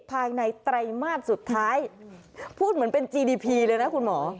ไตรมาสสุดท้ายพูดเหมือนเป็นจีดีพีเลยนะคุณหมอ